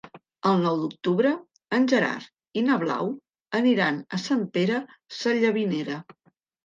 El nou d'octubre en Gerard i na Blau aniran a Sant Pere Sallavinera.